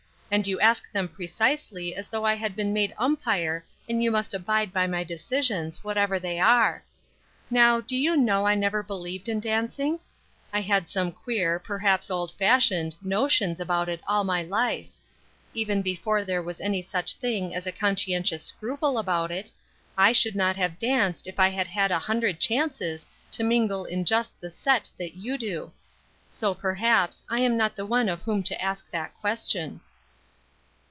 And you ask them precisely as though I had been made umpire and you must abide by my decisions, whatever they are. Now, do you know I never believed in dancing? I had some queer, perhaps old fashioned, notions about it all my life. Even before there was any such thing as a conscientious scruple about it, I should not have danced if I had had a hundred chances to mingle in just the set that you do; so, perhaps, I am not the one of whom to ask that question."